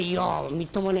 みっともねえな。